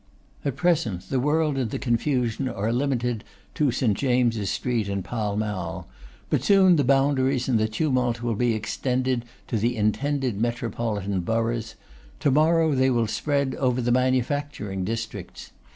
At present the world and the confusion are limited to St. James's Street and Pall Mall; but soon the boundaries and the tumult will be extended to the intended metropolitan boroughs; to morrow they will spread over the manufacturing districts.